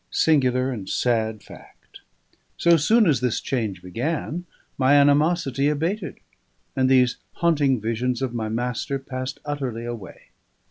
Singular and sad fact! so soon as this change began, my animosity abated, and these haunting visions of my master passed utterly away.